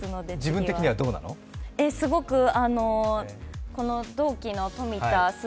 すごく、この同期の富田鈴